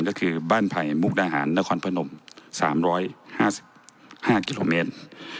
ก็คือบ้านไผ่มุกดาหารนครพนม๓๕กิโลเมตร